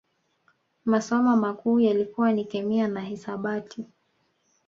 Masomo makuu yalikuwa ni Kemia na Hisabati